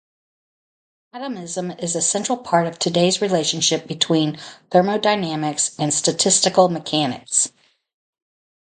Atomism is a central part of today's relationship between thermodynamics and statistical mechanics.